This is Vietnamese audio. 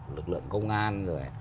lực lượng công an